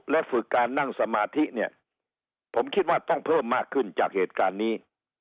และฝึกการนั่งสมาธิเนี่ยผมคิดว่าต้องเพิ่มมากขึ้นจากเหตุการณ์นี้